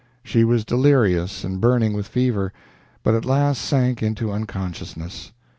She was delirious and burning with fever, but at last sank into unconsciousness.